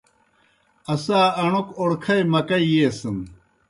اسا اݨوک اوڑکھئی مکئی ییسَن۔